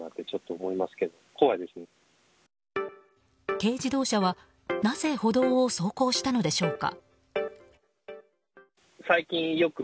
軽自動車はなぜ歩道を走行したのでしょうか。